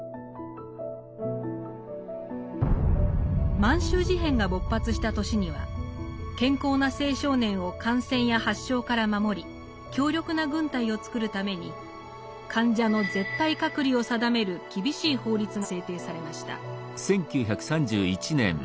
満州事変が勃発した年には健康な青少年を感染や発症から守り強力な軍隊を作るために患者の絶対隔離を定める厳しい法律が制定されました。